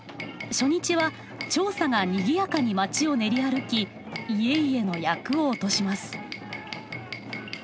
初日はちょうさがにぎやかに町を練り歩き家々の厄を落とします。